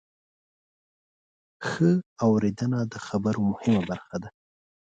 ښه اورېدنه د خبرو مهمه برخه ده.